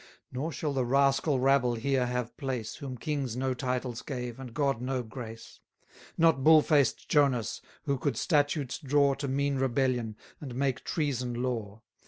Nor shall the rascal rabble here have place, Whom kings no titles gave, and God no grace: 580 Not bull faced Jonas, who could statutes draw To mean rebellion, and make treason law.